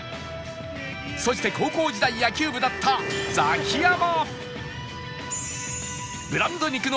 そして高校時代野球部だったザキヤマ